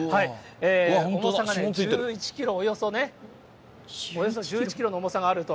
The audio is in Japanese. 重さが１１キロ、およそね、およそ１１キロの重さがあると。